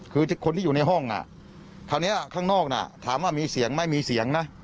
คือคนที่อยู่ในห้องคราวนี้ข้างนอกน่ะถามว่ามีเสียงไหมมีเสียงนะ